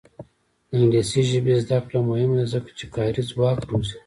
د انګلیسي ژبې زده کړه مهمه ده ځکه چې کاري ځواک روزي.